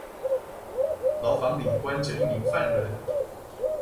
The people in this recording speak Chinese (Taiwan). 牢房裡關著一名犯人